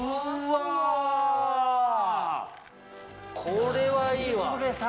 これはいいわ！